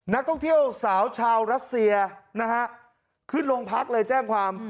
นักท่องเที่ยวสาวชาวรัสเซียนะฮะขึ้นโรงพักเลยแจ้งความ